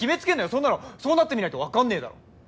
そんなのそうなってみないと分かんねぇだろ